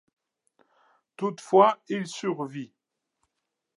Toutefois, il survit.